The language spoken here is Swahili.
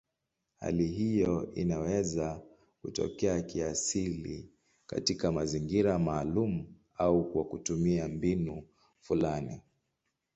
Hali hiyo inaweza kutokea kiasili katika mazingira maalumu au kwa kutumia mbinu fulani.